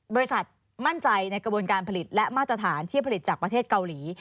บริษัทมั่นใจในกระบวนการผลิตและมาตรฐานที่ผลิตจากประเทศเกาหลี